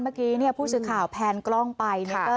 เมื่อกี้ผู้สื่อข่าวแพนกล้องไป